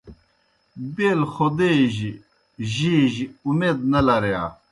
بیل خودے جیْ جیئے جیْ امید نہ لرِیا